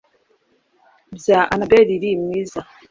Bya Annabel Lee mwiza